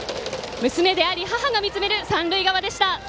娘であり母が見つめる三塁側でした。